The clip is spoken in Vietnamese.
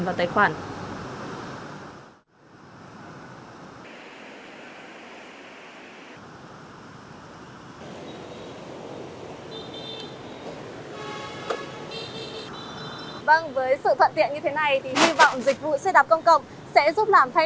dự án xe đạp biện công cộng hà nội